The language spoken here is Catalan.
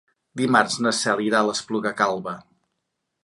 Dimarts na Cel irà a l'Espluga Calba.